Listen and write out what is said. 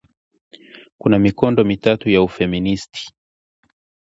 Kuna mikondo mitatu ya ufeministi